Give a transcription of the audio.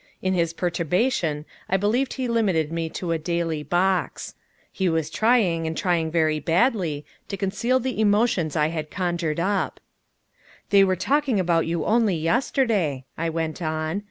In his perturbation I believe he limited me to a daily box. He was trying and trying very badly to conceal the emotions I had conjured up. "They were talking about you only yesterday," I went on.